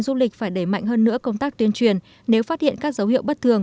du lịch phải đẩy mạnh hơn nữa công tác tuyên truyền nếu phát hiện các dấu hiệu bất thường